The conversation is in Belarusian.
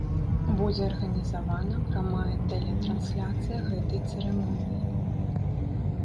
Будзе арганізавана прамая тэлетрансляцыя гэтай цырымоніі.